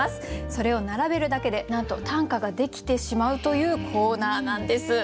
それを並べるだけでなんと短歌が出来てしまうというコーナーなんです。